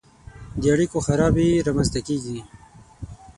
د اړیکو خرابي رامنځته کیږي.